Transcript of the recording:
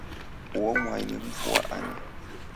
Uo mwai ni mfu wa ani?